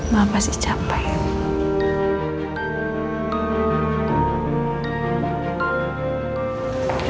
mama sih capek